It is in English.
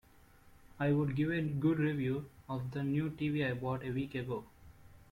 I would give a good review of the new TV I bought a week ago.